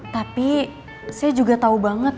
tapi saya juga tahu banget